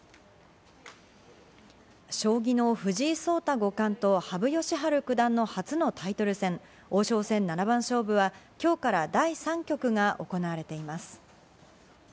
将棋の藤井聡太五冠と羽生善治九段の初のタイトル戦、王将戦七番勝負は今日から第３局が行われています。